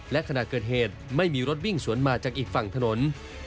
และขณะเกิดเหตุไม่มีรถวิ่งสวนมาจากอีกฝั่งถนน